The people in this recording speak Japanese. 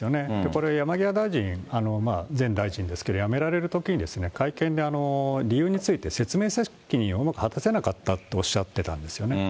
これ、山際大臣、前大臣ですけど、辞められるときに、会見で理由について説明責任をうまく果たせなかったっておっしゃってたんですね。